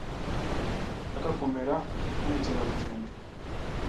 Sinshaka kumera nkumukerarugendo.